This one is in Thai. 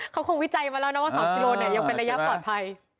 เขาคงวิจัยมาแล้วนะว่า๒กิโลยังเป็นระยะปลอดภัย